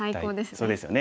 そうですよね。